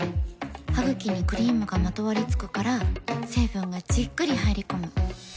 ハグキにクリームがまとわりつくから成分がじっくり入り込む。